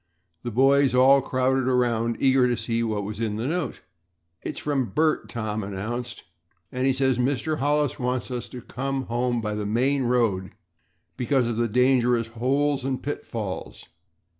The boys all crowded around, eager to see what was in the note. "It's from Bert," Tom announced, "and he says that Mr. Hollis wants us to come home by the main road because of the dangerous holes and pitfalls.